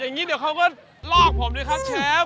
อย่างนี้เดี๋ยวเขาก็ลอกผมด้วยครับเชฟ